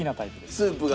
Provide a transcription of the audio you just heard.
スープが？